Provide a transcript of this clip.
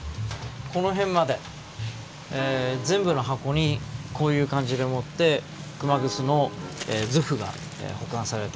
この辺まで全部の箱にこういう感じでもって熊楠の図譜が保管されています。